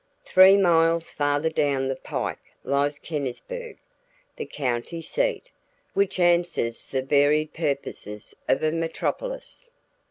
Three miles farther down the pike lies Kennisburg, the county seat, which answers the varied purposes of a metropolis.